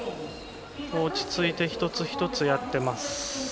落ち着いて一つ一つやっています。